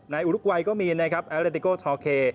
ในอุรุกวัยก็มีแอลเลติโกทอเค